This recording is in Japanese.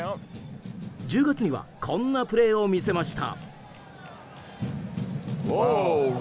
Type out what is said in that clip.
１０月にはこんなプレーを見せました。